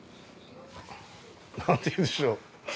何て言うんでしょう